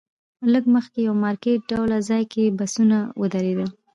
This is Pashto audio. لږ مخکې یو مارکیټ ډوله ځای کې بسونه ودرېدل.